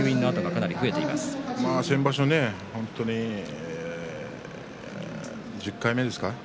先場所、本当に１０回目ですか？